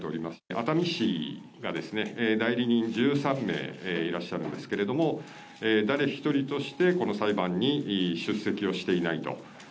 熱海市が代理人１３名いらっしゃるんですけども誰一人として、この裁判に出席をしていないと。